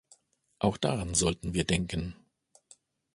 Auch daran sollten wir denken.